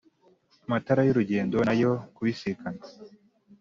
Amatara y’urugendo nayo kubisikana